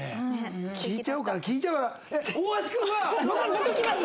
僕きます！？